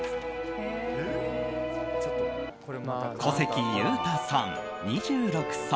小関裕太さん、２６歳。